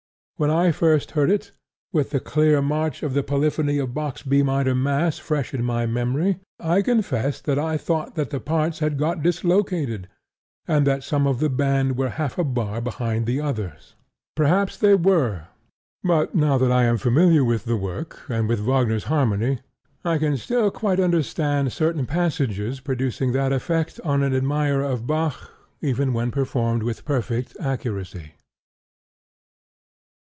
When I first heard it, with the clear march of the polyphony in Bach's B minor Mass fresh in my memory, I confess I thought that the parts had got dislocated, and that some of the band were half a bar behind the others. Perhaps they were; but now that I am familiar with the work, and with Wagner's harmony, I can still quite understand certain passages producing that effect organ admirer of Bach even when performed with perfect accuracy.